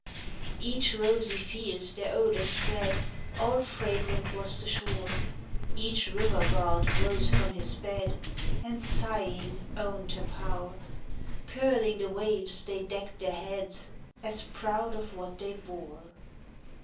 Each rosy field their odours spread, All fragrant was the shore; Each river God rose from his bed, And sighing own'd her pow'r; Curling the waves they deck'd their heads, As proud of what they bore.